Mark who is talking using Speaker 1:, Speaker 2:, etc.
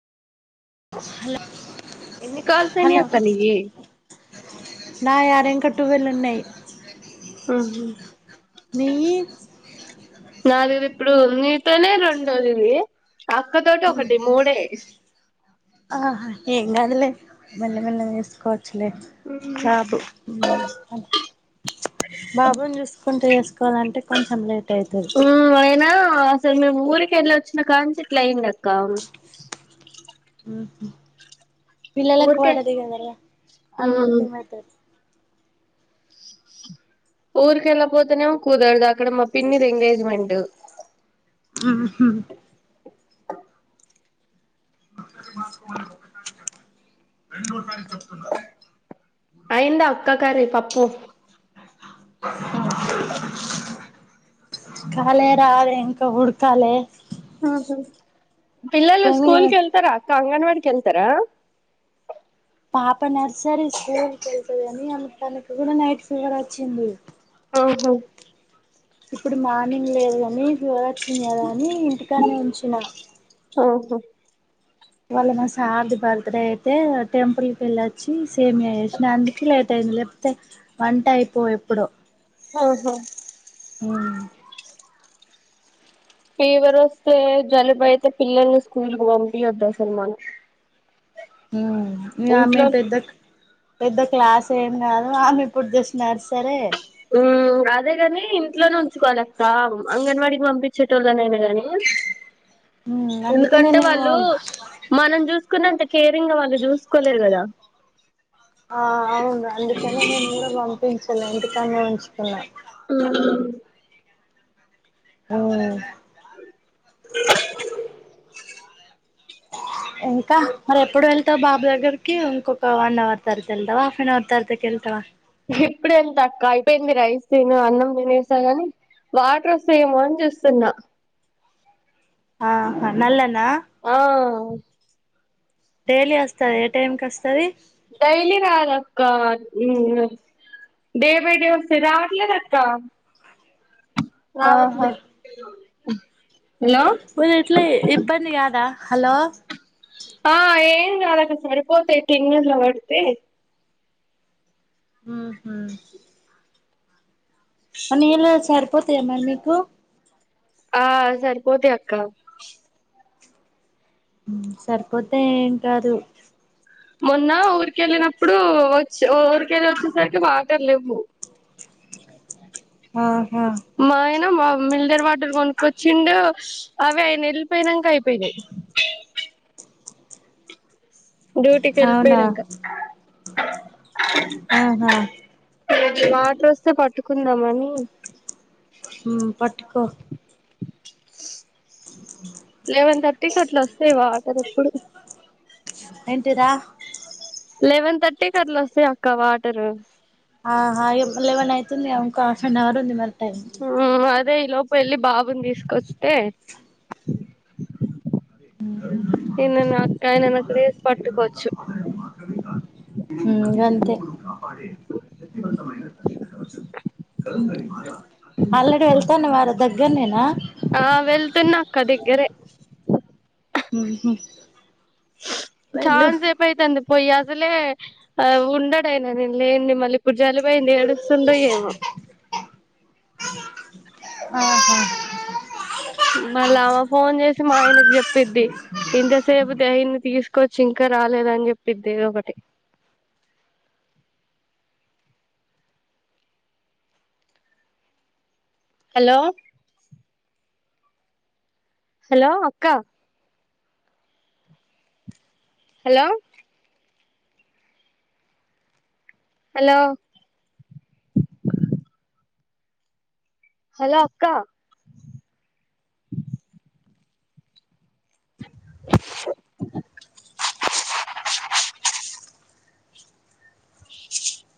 Speaker 1: ఎన్ని కాల్స్ అయినయ్
Speaker 2: హలో
Speaker 1: అక్క నీయ్యి
Speaker 2: నా యారా ఇంకా టూవెల్ ఉన్నాయి
Speaker 1: ఆ
Speaker 2: నీయి
Speaker 1: నాది ఇప్పుడు మీతోనే రెండో ఇవి అక్క తోటి ఒకటి మూడే
Speaker 2: ఆహా ఏం కాదులే మెల్ల మెల్లగా వేసుకోవచ్చు లే
Speaker 1: మ్మ్
Speaker 2: బాబు బాబుని చూసుకుంటూ వసుకోవాలంటే కొంచెం లేట్ అవుతుంది
Speaker 1: అయినా అసలు మేము ఊరి వెళ్ళ వచ్చినా కానుంచి ఇట్లా అయింది అక్క
Speaker 2: ఆఓహ పిల్లలకు
Speaker 1: ఊరికే
Speaker 2: వడది గదరా
Speaker 1: మ్మ్
Speaker 2: అంతేమైతది
Speaker 1: ఊరికి వెళ్లకపోతేమో కూదారుదు అక్కడ మా పిన్నిది ఎంగేజ్మెంట్
Speaker 2: ఓహో మా ఒకసారి రెండోసారి చెప్తున్నా
Speaker 1: అయిందా అక్కా కర్రీ పప్పుూ
Speaker 2: [unintelligible] ఖాలే రాద ఇంకా ఉడ్కాలే
Speaker 1: ఊహూ పిల్లు
Speaker 2: పొయ్యి మీద
Speaker 1: స్కూల్
Speaker 2: పెట్టు
Speaker 1: కెళ్తార అంగన్వాడికెళ్తరా
Speaker 2: పాప నర్సరీ స్కూల్కి వెళ్తుంది కాని ఆమె తనకి కూడా నైట్ ఫీవర్ వచ్చింది
Speaker 1: ఆహా
Speaker 2: ఇప్పుడు మార్నింగ్ లేదు గాని ఫీవర్ వచ్చింది కదా అని ఇంటికానే ఉంచిన
Speaker 1: ఓహో
Speaker 2: వాళ్ళ మా సార్ది బర్త్డే అయితే టెంపుల్ వెళ్ళొచ్చి సేమియా చేసిన అందుకే లేటయిందిలే తే వంట అయిపో ఎప్పుడు
Speaker 1: ఓహో
Speaker 2: హ్మ్
Speaker 1: ఫీవర్ వస్తే జలుబయితే పిల్లల్ని స్కూల్ కు పంపియోద్దసలు మనం
Speaker 2: హ్మ్ మీ ఆమె
Speaker 1: ఇంట్లో
Speaker 2: పెద్దక్ పెద్ద క్లాస్ ఏమి కాదు ఆమె ఇప్పుడు జస్ట్ నర్సరే
Speaker 1: ఉ అదే గాని ఇంట్లోనే ఉంచుకోవాలి అక్క అంగన్వాడికి పంపించేటోళ్ళునయినా గాని
Speaker 2: అందుకనే
Speaker 1: ఎందుకంటే
Speaker 2: నేను
Speaker 1: వాళ్ళు మనం చూస్ చూసుకున్నంత కేరింగ్ గా వాళ్ళు చూసుకోలేరు గదా
Speaker 2: ఆ అవును అందుకని నేను కూడా పంపించలే ఇందుకనే ఉంచ ఉన్న
Speaker 1: ఆ
Speaker 2: ఆ ఇంకా మరి ఎప్పుడు వెళ్తావు బాబు దగ్గరికి ఇంకొక వన్ అవర్ తరవత వెళ్తావా హాఫ్ ఏన్ అవర్ తరతకి వెళ్తవ
Speaker 1: ఇప్పుడేంత తక్కువ అయిపోయింది రైస్ తిని అన్నం తేనేసాను కాని వాటర్ వస్త ఏమో అని చూస్తున్నా
Speaker 2: ఆ నల్లా
Speaker 1: ఓ
Speaker 2: డైలీ వస్తది ఏ టైం కి వస్తది
Speaker 1: డైలీ రాదక్క డే బై డే వస్తయి రావట్లేదు అక్క
Speaker 2: ఆహా
Speaker 1: రావట్లే ఆ
Speaker 2: మరి ఇట్లా ఇబ్బంది కాదా హలో
Speaker 1: ఆ ఏం గాదక్క సరిపోతయి టిన్నర్లో పడితే
Speaker 2: ఊహూ మని ఎలా స పోతయా మరి మీకు
Speaker 1: ఆ సరిపోతయి అక్క
Speaker 2: మ్మ్ సరిపోతే ఏం కాదు.
Speaker 1: మొన్న ఊరికెళ్ళినప్పుడు వచ్చి ఊరికెళ్ళి వచ్చేసరికి వాటర్ లేవ్వు.
Speaker 2: ఆ
Speaker 1: మాయ న్న మ మిల్డర్ వాటర్ కొనుక్కొచ్చిండు, అవి ఆయన ఎళ్ళిపోయినంక అయిపోయినై. డ్యూటీకి
Speaker 2: అవునా
Speaker 1: ఎళ్ళిపోయినంక
Speaker 2: ఆహా
Speaker 1: వాటర్ వస్తే పట్టుకుందామనీ
Speaker 2: మ్మ్ పట్టుకో
Speaker 1: ర్టికీ అట్ల వస్తయి వాటర్ ఎప్పుడు.
Speaker 2: ఏంటిరా
Speaker 1: లెవెన్ థర్టీ కి అట్ల వస్తాయి అక్క వాటరు.
Speaker 2: ఆ హా ఇప్ లెవన్ అవుతుంది ఇంక హాఫెన్ అవర్ ఉంది మరి. టైమ్
Speaker 1: మ్మ్ అదే ఈ లోపు ఎళ్ళి బాబుని తీసుకొస్తే
Speaker 2: మ్మ్
Speaker 1: నిన్న అక్కయనన్నప్పుడే పట్కోచ్చు
Speaker 2: గంతే ఆల్రెడీ వెళ్తాన్నా వారు దగ్గర్నేనా
Speaker 1: గ్గరే
Speaker 2: హ్మ్ హు
Speaker 1: చాన్ సేపు అయితాంది పొయ్యి అసలే ఆ ఉండడయినా నేను లేను మళ్ళి ప్పుడు జలుబు అయ్యింది ఏడుస్తుండో ఏమో?
Speaker 2: ఆ హా
Speaker 1: మళ్ళా ఆమ ఫోన్ చేసి మా ఆయనకు చెప్పిద్ది ఇంతసేపు తేయిన్ని తీసుకొ చ్చి ఇంక రాలేదని చెప్పిది ఏదోకటి. హలో హలో అక్క హలో హలో హలో అక్క